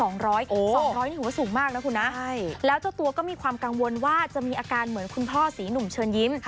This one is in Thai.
๒๐๐นี่ถือว่าสูงมากนะคุณนะใช่แล้วเจ้าตัวก็มีความกังวลว่าจะมีอาการเหมือนคุณพ่อศรีหนุ่มเชิญยิ้ม